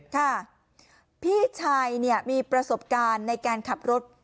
ค่ะพี่ชายเนี่ยมีประสบการณ์ในการขับรถ